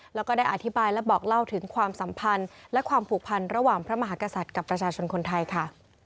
แล้วก็ได้อธิบายและบอกเล่าถึงความสัมพันธ์และความผูกพันระหว่างพระมหากษัตริย์กับประชาชนคนไทยค่ะ